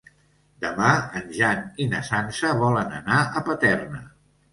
Demà en Jan i na Sança volen anar a Paterna.